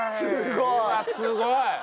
うわっすごい！